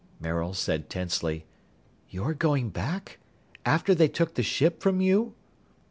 Maril said tensely, "You're going back? After they took the ship from you?"